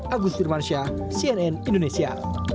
agus firman syah cnn indonesia